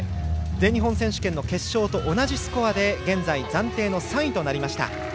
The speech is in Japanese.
全日本選手権の決勝と同じスコアで現在暫定の３位となりました。